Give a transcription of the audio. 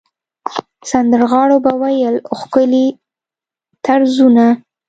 سندرغاړو به ویل ښکلي طرزونه.